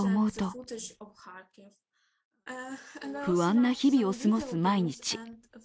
不安な日々を過ごす毎日。